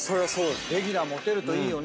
レギュラー持てるといいよね。